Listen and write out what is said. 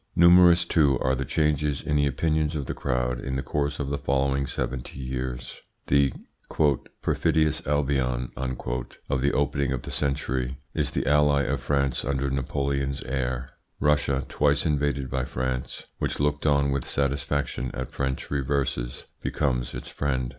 Numerous, too, are the changes in the opinions of the crowd in the course of the following seventy years. The "Perfidious Albion" of the opening of the century is the ally of France under Napoleon's heir; Russia, twice invaded by France, which looked on with satisfaction at French reverses, becomes its friend.